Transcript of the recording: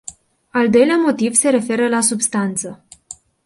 Al doilea motiv se referă la substanță.